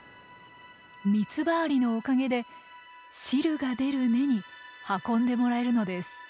ミツバアリのおかげで汁が出る根に運んでもらえるのです。